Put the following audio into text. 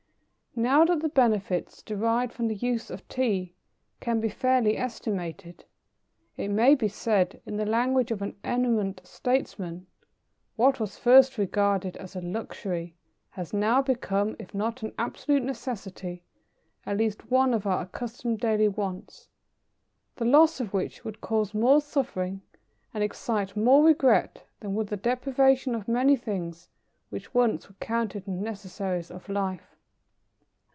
Now that the benefits derived from the use of Tea can be fairly estimated, it may be said, in the language of an eminent statesman: "What was first regarded as a luxury, has now become, if not an absolute necessity, at least one of our accustomed daily wants, the loss of which would cause more suffering and excite more regret than would the deprivation of many things which once were counted as necessaries of life."